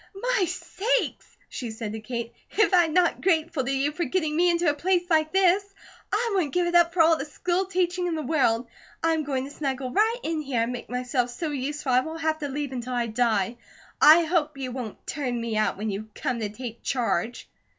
"My sakes!" she said to Kate. "If I'm not grateful to you for getting me into a place like this. I wouldn't give it up for all the school teaching in the world. I'm going to snuggle right in here, and make myself so useful I won't have to leave until I die. I hope you won't turn me out when to come to take charge."